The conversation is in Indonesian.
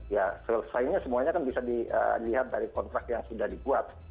ya selesainya semuanya kan bisa dilihat dari kontrak yang sudah dibuat